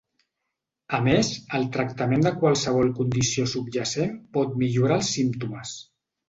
A més, el tractament de qualsevol condició subjacent pot millorar els símptomes.